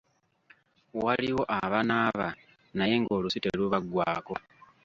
Waliwo abanaaba naye nga olusu telubaggwaako.